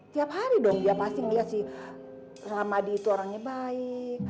tiap hari dong dia pasti melihat si ramadi itu orangnya baik